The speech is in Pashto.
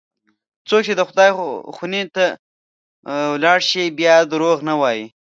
څوک چې د خدای خونې ته ولاړ شي، بیا دروغ نه وایي.